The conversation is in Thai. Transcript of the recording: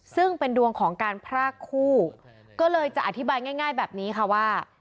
ซึ่งเป็นดวงของการพรากคู่ก็เลยจะอธิบายง่ายแบบนี้ค่ะว่า